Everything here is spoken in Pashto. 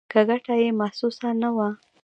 که ګټه یې محسوسه نه وه.